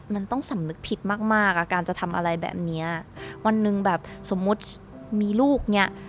มันต้องสำนึกผิดมากมากอ่ะการจะทำอะไรแบบเนี้ยวันหนึ่งแบบสมมุติมีลูกเนี้ย